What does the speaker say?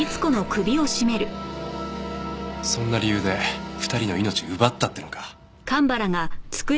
そんな理由で２人の命を奪ったって言うのか。